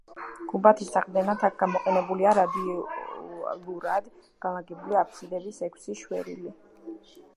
გუმბათის საყრდენად აქ გამოყენებულია რადიალურად განლაგებული აფსიდების ექვსი შვერილი.